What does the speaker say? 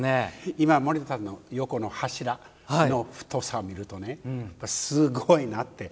今、森田さんの横の柱の太さを見るとすごいなって。